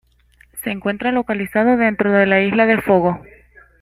Se encuentra localizado dentro de la isla de Fogo.